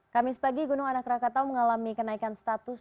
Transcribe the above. kamis pagi gunung anak rakatau mengalami kenaikan status